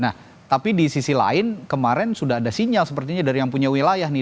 nah tapi di sisi lain kemarin sudah ada sinyal sepertinya dari yang punya wilayah nih